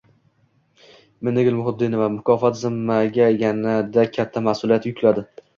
Minnigul Muhiddinova: “Mukofot zimmamga yanada katta mas’uliyat yukladi”